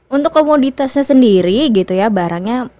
untuk komoditasnya sendiri gitu ya barangnya